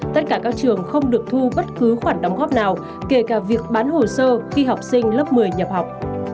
tất cả các trường không được thu bất cứ khoản đóng góp nào kể cả việc bán hồ sơ khi học sinh lớp một mươi nhập học